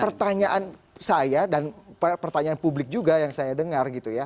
pertanyaan saya dan pertanyaan publik juga yang saya dengar